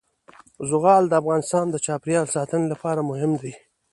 زغال د افغانستان د چاپیریال ساتنې لپاره مهم دي.